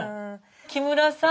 木村さん